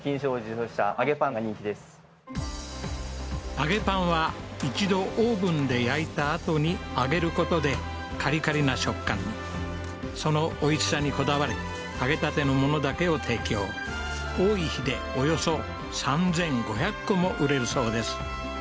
あげぱんは一度オーブンで焼いたあとに揚げることでカリカリな食感にそのおいしさにこだわり揚げたてのものだけを提供多い日でおよそ３５００個も売れるそうです